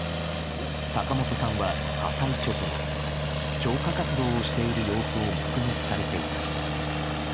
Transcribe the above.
坂本さんは、火災直後、消火活動をしている様子を目撃されていました。